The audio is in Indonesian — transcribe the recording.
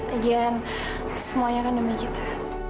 bagian semuanya kan demi kita